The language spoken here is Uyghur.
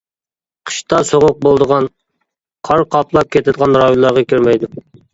قىشتا سوغۇق بولىدىغان، قار قاپلاپ كېتىدىغان رايونلارغا كىرمەيدۇ.